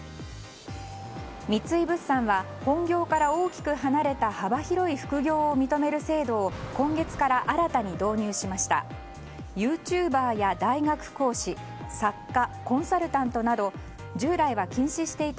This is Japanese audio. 三井物産は本業から大きく離れた幅広い副業を認める制度を今月から新たに導入しました。